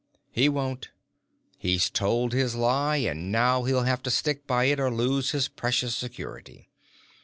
"He won't. He's told his lie, and now he'll have to stick by it or lose his precious security.